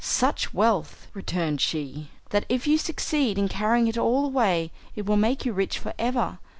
"Such wealth," returned she, "that if you succeed in carrying it all away it will make you rich for ever.